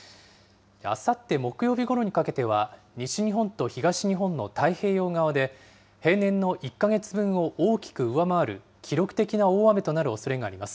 あさって木曜日ごろにかけては、西日本と東日本の太平洋側で、平年の１か月分を大きく上回る記録的な大雨となるおそれがあります。